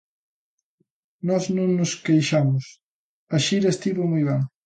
Nós non nos queixamos: a xira estivo moi ben.